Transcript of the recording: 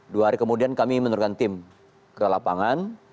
dua hari kemudian kami menurunkan tim ke lapangan